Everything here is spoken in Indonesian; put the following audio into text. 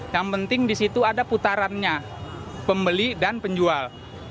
yang penting di situ ada putarannya pembeli dan penjual